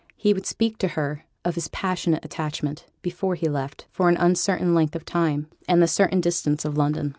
He would speak to her of his passionate attachment, before he left, for an uncertain length of time, and the certain distance of London.